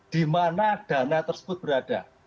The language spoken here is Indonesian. dimana dana tersebut berada